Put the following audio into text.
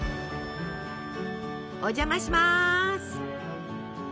お邪魔します。